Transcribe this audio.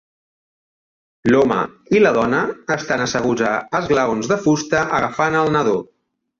L"home y la dona estan asseguts a esglaons de fusta agafant el nadó.